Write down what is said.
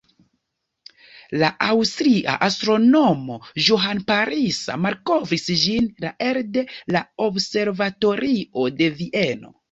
La aŭstria astronomo Johann Palisa malkovris ĝin la elde la observatorio de Vieno.